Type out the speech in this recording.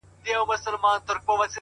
د یوه بل په ښېګڼه چي رضا سي!